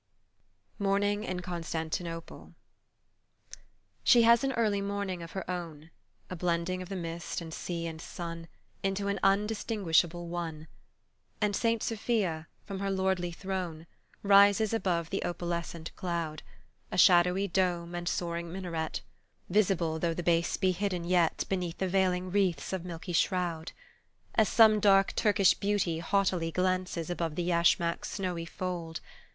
MORNING IN CONSTANTINOPLE SHE has an early morning of her own, A blending of the mist and sea and sun Into an undistinguishable one, And Saint Sophia, from her lordly throne Rises above the opalescent cloud, A shadowy dome and soaring minaret Visable though the base be hidden yet Beneath the veiling wreaths of milky shroud, As some dark Turkish beauty haughtily Glances above the yashmak's snowy fold.